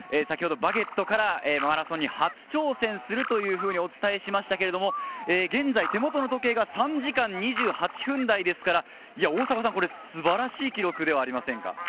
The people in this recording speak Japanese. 先ほど『バゲット』からマラソンに初挑戦するというふうにお伝えしましたけれど、現在、手元の時計が３時間２８分台ですから、素晴らしい記録ではありませんか？